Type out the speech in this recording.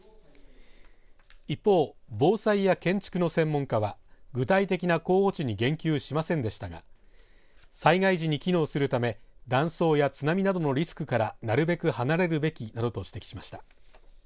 一方、防災や建築の専門家は具体的な候補地に言及しませんでしたが災害時に機能するため断層や津波などのリスクからなるべく離れるべきなどと指摘しました。